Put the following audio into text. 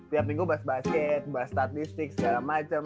tiap minggu bahas basket bahas statistik segala macem